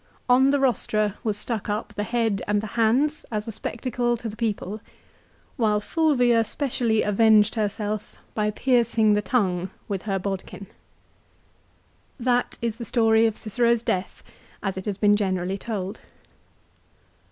On the rostra was stuck up the head and the hands as a spectacle to the people, while Fulvia specially avenged herself by piercing the tongue with her bodkin. That is the story of Cicero's death as it has been generally told.